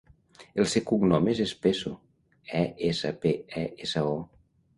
El seu cognom és Espeso: e, essa, pe, e, essa, o.